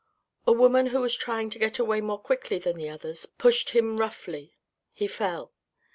A woman who was trying to get away more quickly than the others, pushed him roughly. He fell.